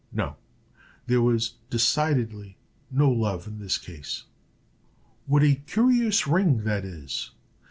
No; there was decidedly no love in the case. "What a curious ring that is!"